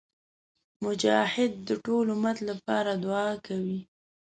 مجاهد د ټول امت لپاره دعا کوي.